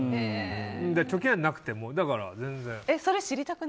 貯金はなくて、だから全然。